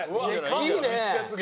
大きいね！